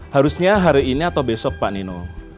harusnya hari ini atau besok pak nino